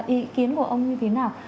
ý kiến của ông như thế nào